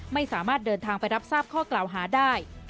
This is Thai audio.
ไม่สามารถเดินทางไปรับทราบข้อกล่าวหาได้